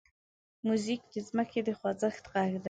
موزیک د ځمکې د خوځښت غږ دی.